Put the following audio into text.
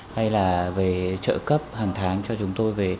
hay là về trợ cấp hàng tháng cho chúng tôi về cuộc sống